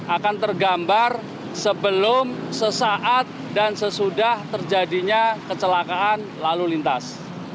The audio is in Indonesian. akan tergambar sebelum sesaat dan sesudah terjadinya kecelakaan lalu lintas